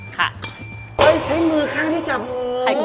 เฮ้ยใช้มือข้างนี้จับมือ